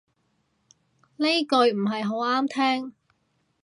呢句唔係好啱聽